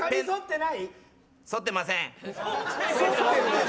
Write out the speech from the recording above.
そってません。